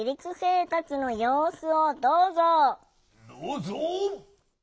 どうぞ！